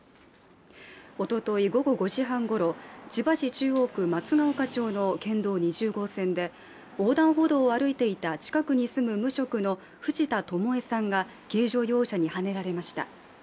おととい午後５時半ごろ、千葉市中央区松ヶ丘町の県道２０号線で横断歩道を歩いていた近くに住む無職の藤田トモヱさんが軽乗用車にはねられました。